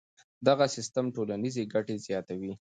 دغه سیستم ټولنیزې ګټې زیاتوي.